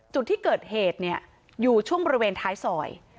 จุดที่เกิดเหตุเนี่ยอยู่ช่วงบริเวณท้ายซอย